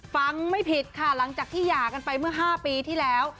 ฟังไม่ผิดค่ะหลังจากที่หย่ากันไปเมื่อ๕ปีที่แล้ว